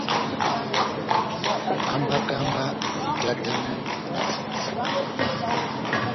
Hambaka mba betatamu na fufu.